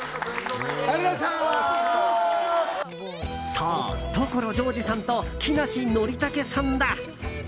そう、所ジョージさんと木梨憲武さんだ。